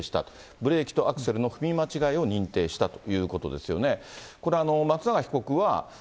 ブレーキとアクセルの踏み間違いを認定したということですよね。